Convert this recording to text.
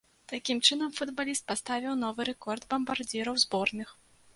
Такім чынам, футбаліст паставіў новы рэкорд бамбардзіраў зборных.